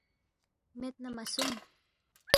مید نہ مہ سونگ